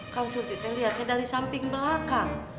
kan surti teng liatnya dari samping belakang